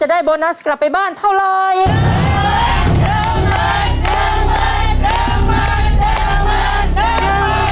ได้โบนัสกลับไปบ้านเท่าไร